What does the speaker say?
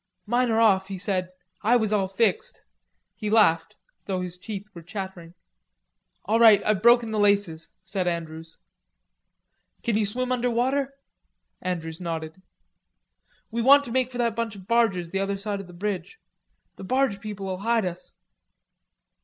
"Mine are off," he said. "I was all fixed." He laughed, though his teeth were chattering. "All right. I've broken the laces," said Andrews. "Can you swim under water?" Andrews nodded. "We want to make for that bunch of barges the other side of the bridge. The barge people'll hide us."